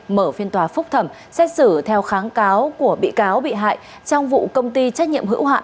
mở phiên tòa phúc thẩm xét xử theo kháng cáo của bị cáo bị hại trong vụ công ty trách nhiệm hữu hạn